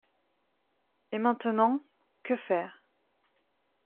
Et maintenant, que faire ?